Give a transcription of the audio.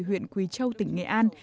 huyện quỳ châu tỉnh nghệ an